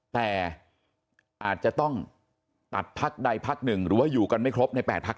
แต่อาจจะต้องตัดพักใดพักหนึ่งหรือว่าอยู่กันไม่ครบใน๘พัก